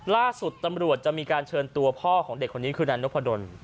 ล่าสุดตำรวจจะมีการเชิญตัวพ่อของเด็กคนนี้คือนายนพดล